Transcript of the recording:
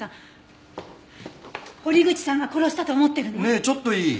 ねえちょっといい？